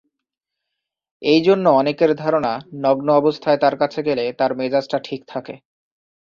এইজন্য অনেকের ধারণা নগ্ন অবস্থায় তাঁর কাছে গেলে তাঁর মেজাজ ঠিক থাকে।